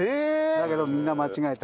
だけどみんな間違えて。